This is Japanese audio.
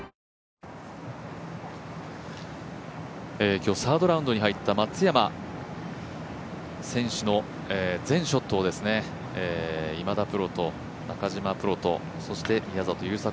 今日サードラウンドに入った松山選手の全ショットを今田プロと中嶋プロと、そして宮里優作